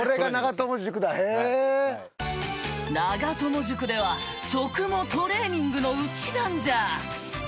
長友塾では食もトレーニングのうちなんじゃ！